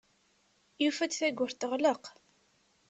Yufa-d tawwurt teɣleq.